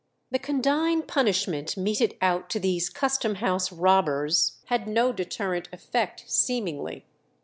The condign punishment meted out to these Custom House robbers had no deterrent effect seemingly.